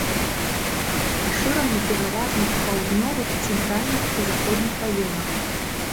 Пашыраны пераважна ў паўднёвых, цэнтральных і заходніх раёнах.